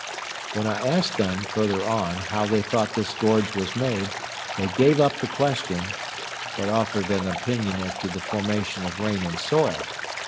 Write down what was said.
When I asked them, further on, how they thought this gorge was made, they gave up the question, but offered an opinion as to the formation of rain and soil.